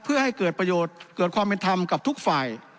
เพื่อให้เกิดประโยชน์เกิดความเป็นธรรมกับทุกฝ่าย